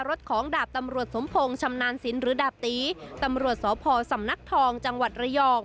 รถของดาบตำรวจสมพงศ์ชำนาญสินหรือดาบตีตำรวจสพสำนักทองจังหวัดระยอง